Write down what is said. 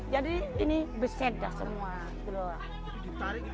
jadi ini besed dah semua